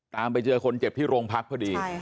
ตามไปเจอคนเจ็บที่โรงพักพอดี